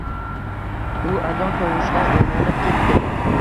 U azon tovushidan uygʼonib ketdi.